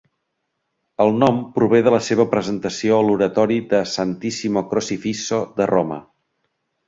El nom prové de la seva presentació a l'Oratori de Santissimo Crocifisso de Roma.